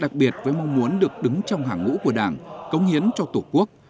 đặc biệt với mong muốn được đứng trong hàng ngũ của đảng công hiến cho tổ quốc